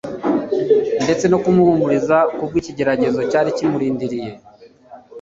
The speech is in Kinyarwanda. ndetse no kumuhumuriza ku bw'ikigeragezo cyari kimurindiriye.